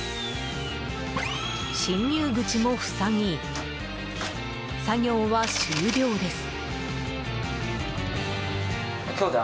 侵入口も塞ぎ、作業は終了です。